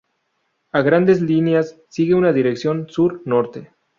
A grandes líneas sigue una dirección sur-norte.